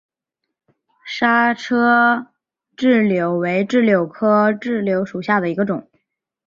莎车柽柳为柽柳科柽柳属下的一个种。